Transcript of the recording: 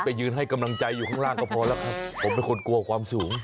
ยืนให้กำลังใจอยู่ข้างล่างก็พอแล้วครับผมเป็นคนกลัวความสูง